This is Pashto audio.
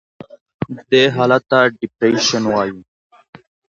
دې حالت ته Depreciation وایي.